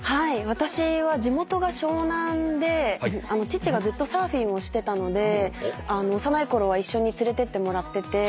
私は地元が湘南で父がずっとサーフィンをしてたので幼いころは一緒に連れてってもらってて。